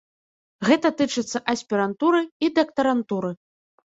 Гэта тычыцца аспірантуры і дактарантуры.